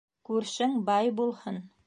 Күршең бай булһын: